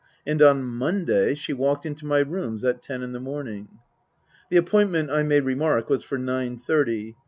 And on Monday she walked into my rooms at ten in the morning. The appointment, I may remark, was for nine thirty.